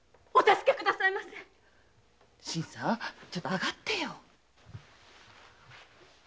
新さんちょっと上がってよ。